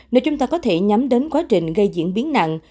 nếu chúng ta có thể nhắm đến quá trình gây diễn biến nặng